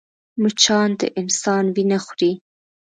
مچان د انسان وينه خوري